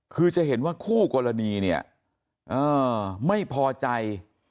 คือจะเห็นว่าคู่กรณีเนี่ยไม่พอใจ